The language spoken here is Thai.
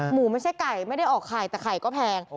ไม่ใช่ไก่ไม่ได้ออกไข่แต่ไข่ก็แพง